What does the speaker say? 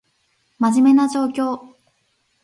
真面目な状況